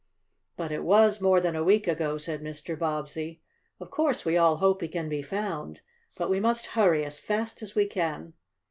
"But it was more than a week ago," said Mr. Bobbsey. "Of course we all hope he can be found, but we must hurry as fast as we can."